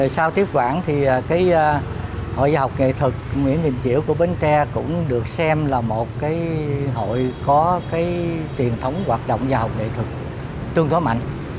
sau tiếp quảng thì cái hội nhà học nghệ thuật nguyễn đình chiểu của bến tre cũng được xem là một cái hội có cái truyền thống hoạt động nhà học nghệ thuật tương tố mạnh